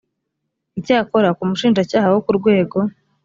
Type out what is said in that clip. icyakora ku mushinjacyaha wo ku rwego